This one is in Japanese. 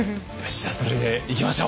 じゃあそれでいきましょう！